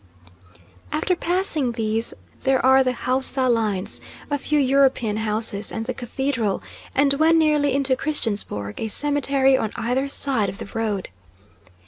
After passing these there are the Haussa lines, a few European houses, and the cathedral; and when nearly into Christiansborg, a cemetery on either side of the road.